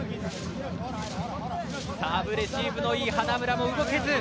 サーブレシーブのいい花村も動けず。